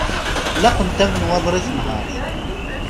Laqent-am nnwaḍer i tenhert.